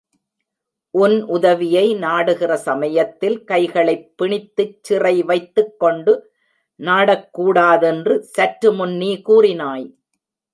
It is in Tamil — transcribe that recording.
உன் உதவியை நாடுகிற சமயத்தில் கைகளைப் பிணித்துச் சிறை வைத்துக் கொண்டு நாடக்கூடாதென்று சற்று முன் நீ கூறினாய்!